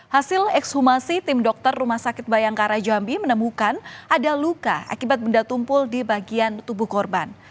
hasil ekshumasi tim dokter rumah sakit bayangkara jambi menemukan ada luka akibat benda tumpul di bagian tubuh korban